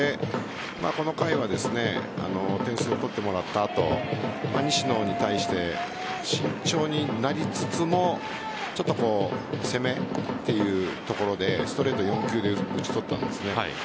この回は点数を取ってもらった後西野に対して慎重になりつつもちょっと攻めというところでストレート４球で打ち取ったんです。